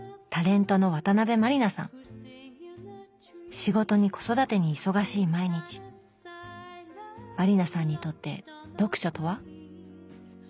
仕事に子育てに忙しい毎日満里奈さんにとって読書とは？